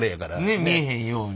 ね見えへんように。